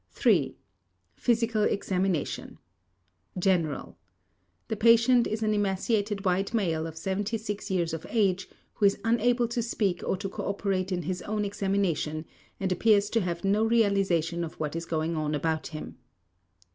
3. PHYSICAL EXAMINATION: GENERAL: The patient is an emaciated white male of 76 years of age who is unable to speak or to cooperate in his own examination, and appears to have no realization of what is going on about him.